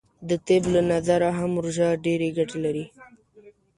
د طب له نظره هم روژه ډیرې ګټې لری .